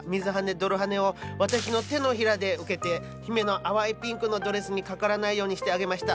泥はねを私の手のひらで受けて姫の淡いピンクのドレスにかからないようにしてあげました。